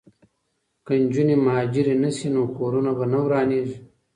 که نجونې مهاجرې نه شي نو کورونه به نه ورانیږي.